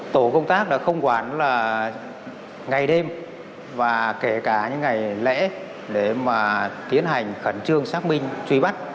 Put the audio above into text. tổ công tác đã không quản là ngày đêm và kể cả những ngày lễ để mà tiến hành khẩn trương xác minh truy bắt